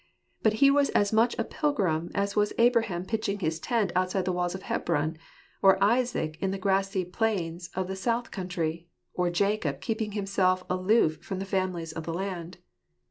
But he was as much a pilgrim as was Abraham pitching his tent outside the walls of Hebron, or Isaac in the grassy plains of the south country, or Jacob keeping himself aloof from the families of the land.